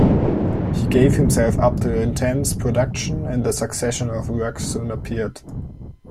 He gave himself up to intense production, and a succession of works soon appeared.